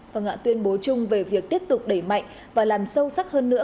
và ngạ tuyên bố chung về việc tiếp tục đẩy mạnh và làm sâu sắc hơn nữa